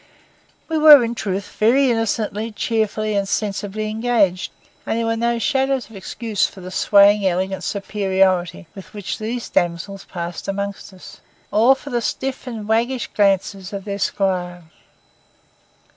We were in truth very innocently, cheerfully, and sensibly engaged, and there was no shadow of excuse for the swaying elegant superiority with which these damsels passed among us, or for the stiff and waggish glances of their squire.